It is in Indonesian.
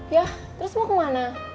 ya terus mau kemana